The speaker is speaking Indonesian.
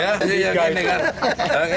ini contoh masyarakat ini ya